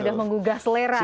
sudah menggugah selera gitu